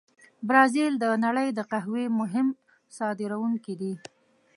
برازیل د نړۍ د قهوې مهم صادرونکي دي.